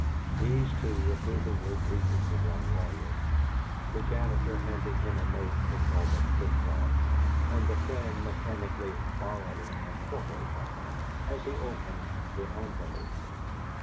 These two approvingly greeted the young lawyer, the janitor handing him a note from Norbert Flitcroft, and the friend mechanically "borrowing" a quarter from him as he opened the envelope.